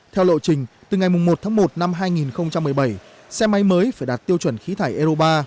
theo lộ trình từ ngày một tháng một năm hai nghìn một mươi bảy xe máy mới phải đạt tiêu chuẩn khí thải euro ba